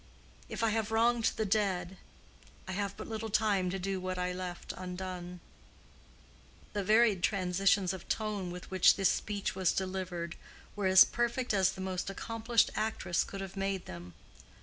If I have wronged the dead—I have but little time to do what I left undone." The varied transitions of tone with which this speech was delivered were as perfect as the most accomplished actress could have made them.